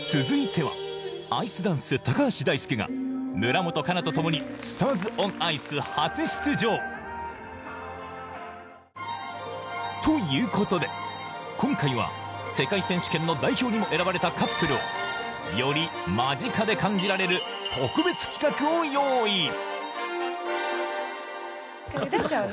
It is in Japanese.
続いてはアイスダンス、高橋大輔が村元哉中と共に「スターズ・オン・アイス」初出場。ということで、今回は世界選手権の代表にも選ばれたカップルをより間近で感じられる特別企画を用意。